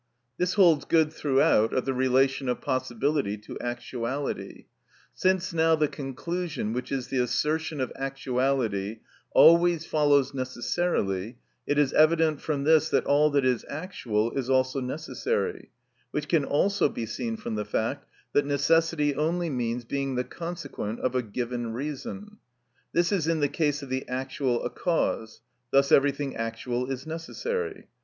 This holds good throughout of the relation of possibility to actuality. Since now the conclusion, which is the assertion of actuality, always follows necessarily, it is evident from this that all that is actual is also necessary, which can also be seen from the fact that necessity only means being the consequent of a given reason: this is in the case of the actual a cause: thus everything actual is necessary.